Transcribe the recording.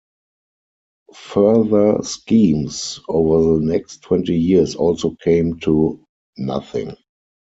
Further schemes over the next twenty years also came to nothing.